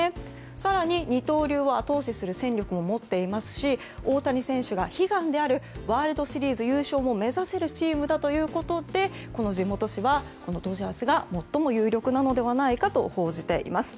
更に、二刀流を後押しする戦力も持っていますし大谷選手が、悲願であるワールドシリーズ優勝を目指せるチームだということでこの地元紙はドジャースが最も有力ではないかと報じています。